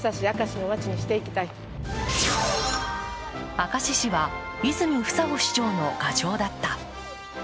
明石市は、泉房穂市長の牙城だった。